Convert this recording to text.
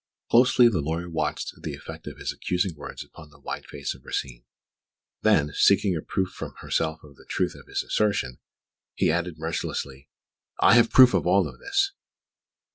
Closely the lawyer watched the effect of his accusing words upon the white face of Rosine; then, seeking a proof from herself of the truth of his assertion, he added mercilessly: "I have proof of all this!"